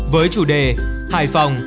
với chủ đề hải phòng